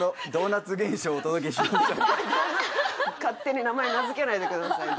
勝手に名前名付けないでください